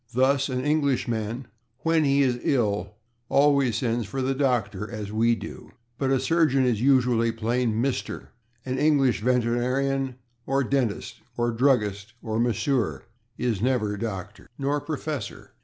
Thus an Englishman, when he is ill, always sends for the /doctor/, as we do. But a surgeon is usually plain /Mr./ An English veterinarian or dentist or druggist or masseur is never /Dr./ Nor /Professor